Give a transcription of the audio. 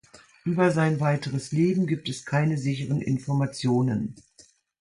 Über sein weiteres Leben gibt es keine sicheren Informationen.